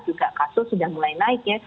juga kasus sudah mulai naik ya